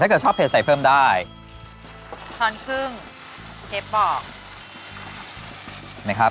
เกิดชอบเผ็ดใส่เพิ่มได้ตอนครึ่งเชฟบอกนะครับ